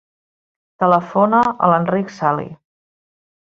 Telefona a l'Enric Salhi.